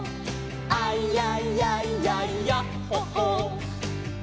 「アイヤイヤイヤイヤッホー・ホー」